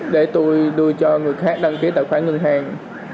để tôi đưa cho người khác đăng ký tài khoản ngân hàng